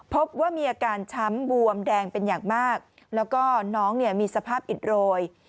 พบว่ามีอาการช้ำบวมแดงเป็นอย่างมากแล้วก็น้องเนี่ยมีสภาพอิดโรย